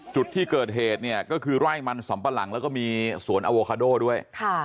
จุดที่เกิดเหตุเนี่ยก็คือไร่มันสำปะหลังแล้วก็มีสวนอโวคาโดด้วย